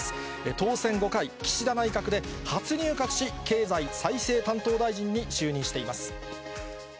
当選５回、岸田内閣で初入閣し、経済再生担当大臣に就任しています。